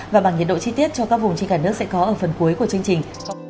và bằng nhiệt độ chi tiết cho các vùng trên cả nước sẽ có ở phần cuối của chương trình